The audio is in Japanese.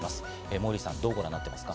モーリーさん、どうご覧になっていますか？